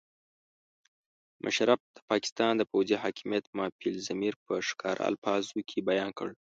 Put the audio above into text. مشرف د پاکستان د پوځي حاکمیت مافي الضمیر په ښکاره الفاظو کې بیان کړ.